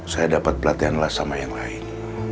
saya dapat pelatihan sama yang lain